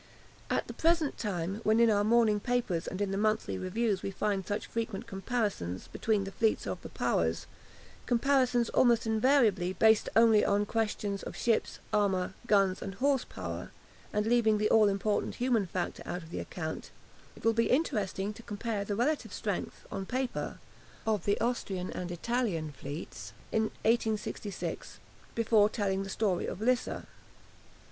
At the present time, when in our morning papers and in the monthly reviews we find such frequent comparisons between the fleets of the Powers, comparisons almost invariably based only on questions of ships, armour, guns, and horse power, and leaving the all important human factor out of account, it will be interesting to compare the relative strength on paper of the Austrian and Italian fleets in 1866, before telling the story of Lissa.